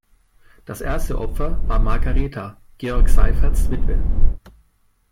Das erste Opfer war Margaretha, Georg Seiferts Witwe.